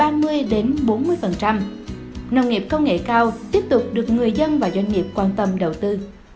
nông nghiệp công nghệ cao tiếp tục được người dân và doanh nghiệp quan tâm đầu tư